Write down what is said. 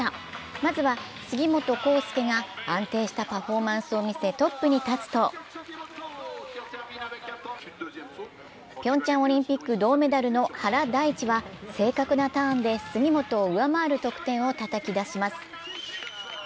まずは杉本幸祐が安定したパフォーマンスを見せトップに立つと、ピョンチャンオリンピック銅メダルの原大智は正確なターンで杉本を上回る得点をたたき出します。